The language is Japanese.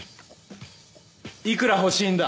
幾ら欲しいんだ？